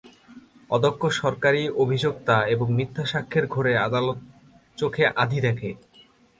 অদক্ষ সরকারি অভিযোক্তা এবং মিথ্যা সাক্ষ্যের ঘোরে আদালত চোখে আঁধি দেখে।